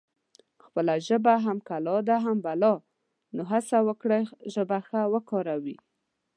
خپله ژبه هم کلا ده هم بلا نو هسه وکړی ژبه ښه وکاروي